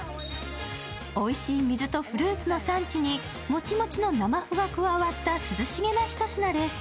おいしい水とフルーツの産地にモチモチの生麩が加わった涼しげなひと品です。